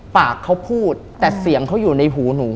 ปากเขาพูดแต่เสียงเขาอยู่ในหูหนู